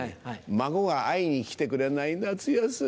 孫が会いに来てくれない夏休み。